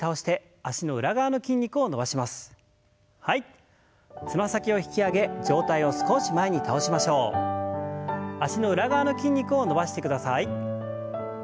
脚の裏側の筋肉を伸ばしてください。